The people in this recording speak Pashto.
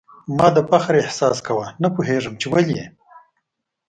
ما د فخر احساس کاوه ، نه پوهېږم چي ولي ؟